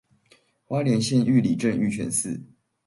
花蓮縣玉里鎮玉泉寺